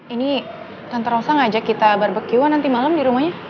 ini tante rosa ngajak kita barbeque an nanti malem di rumahnya